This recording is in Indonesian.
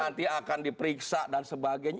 nanti akan diperiksa dan sebagainya